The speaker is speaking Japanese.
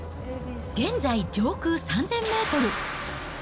現在、上空３０００メートル。